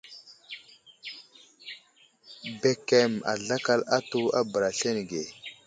Bəkəm azlakal atu a bəra aslane ge.